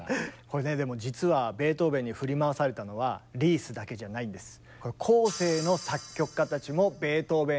これねでも実はベートーベンに振り回されたのはリースだけじゃないんです。